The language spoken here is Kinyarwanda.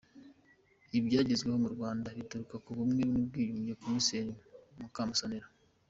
Ibyagezweho mu Rwanda bituruka ku bumwe n’ubwiyunge- Komiseri Mukamusonera